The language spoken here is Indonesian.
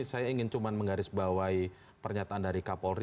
saya ingin cuma menggarisbawahi pernyataan dari kak polri